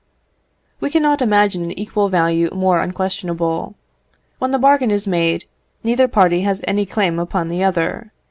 We cannot imagine an equal value more unquestionable. When the bargain is made, neither party has any claim upon the other.